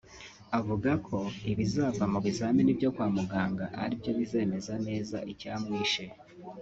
avuga ko ibizava mu bizamini byo kwa muganga ari byo bizemeza neza icyamwishe